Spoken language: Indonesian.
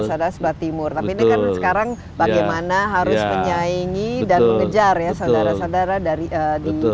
kalau kita misalnya ya sehari hari sandara sandara di selat timur tapi ini kan sekarang bagaimana hurus penyaingi dan mengejar ya sandara sandara di barat usunya di jawa misalnya